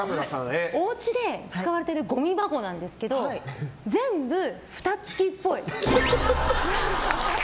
おうちで使われてるごみ箱なんですけど全部、ふた付きっぽい。